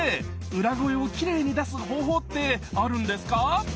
裏声をきれいに出す方法ってあるんですか？